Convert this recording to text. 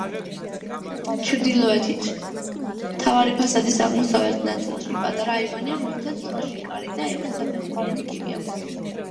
ჩრდილოეთით, მთავარი ფასადის აღმოსავლეთ ნაწილში, პატარა აივანია რომლითაც შუაში კარი და ექვსსაფეხურიანი კიბე აქვს.